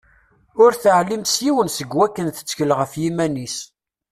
Ur teɛlim s yiwen seg wakken tettkel ɣef yiman-is.